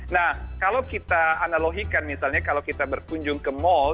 nah kalau kita analogikan misalnya kalau kita berkunjung ke mall